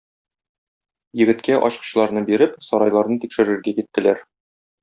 Егеткә ачкычларны биреп, сарайларны тикшерергә киттеләр.